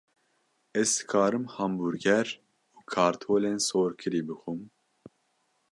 Ez dikarim hambûrger û kartolên sorkirî bixwim?